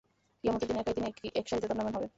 কিয়ামতের দিন একাই তিনি এক সারিতে দণ্ডায়মান হবেন।